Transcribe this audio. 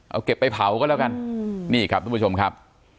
เอาเก็บไปเผาก็แล้วกันนี่ครับทุกผู้ชมครับ